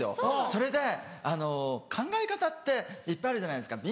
それで考え方っていっぱいあるじゃないですか。